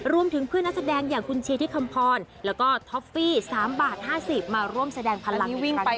รวมถึงเพื่อนนักแสดงอย่างคุณเชธิคำพรและก็ท็อปฟี่๓บาท๕๐มาร่วมแสดงพลังอีกครั้งนี้